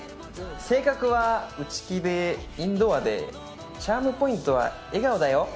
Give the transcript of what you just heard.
性格は内気で、インドアで、チャームポイントは笑顔だよ。